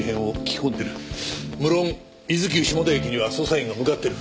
無論伊豆急下田駅には捜査員が向かってる。